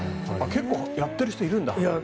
結構やってる人いるんだ。